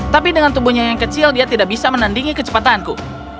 tapi dengan tubuhnya yang kecil dia tidak bisa menandingi kecepatanku